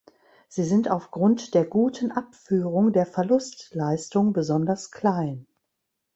Sie sind aufgrund der guten Abführung der Verlustleistung besonders klein.